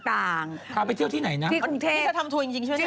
ถาไปเที่ยวที่ไหนนะวันต่างจริงป่ะนี่จะทำทูลจริงใช่ไหม